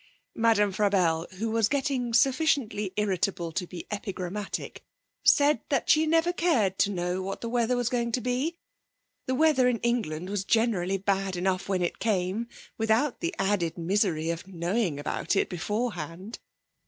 Madame Frabelle, who was getting sufficiently irritable to be epigrammatic, said that she never cared to know what the weather was going to be; the weather in England was generally bad enough when it came without the added misery of knowing about it beforehand.